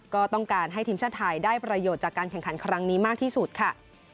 ก็ต้องการให้ทีมชาติไทยได้ประโยชน์จากการแข่งขันครั้งนี้มากที่สุดค่ะ